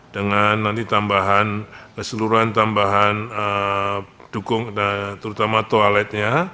dengan nanti tambahan keseluruhan tambahan dukung terutama toiletnya